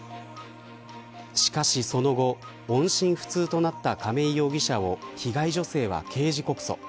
しかし、その後音信不通となった亀井容疑者を被害女性は刑事告訴。